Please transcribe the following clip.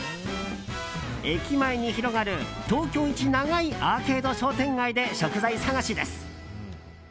駅前に広がる東京一長いアーケード商店街で食材探しです。